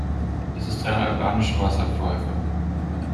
Es ist eine albanische Wasserpfeife.